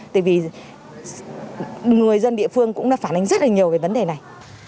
tại vì người dân địa phương cũng đã phản ánh rất là nhiều về vấn đề này